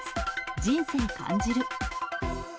人生感じる。